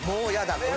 これ。